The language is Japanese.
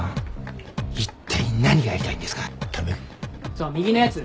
その右のやつ。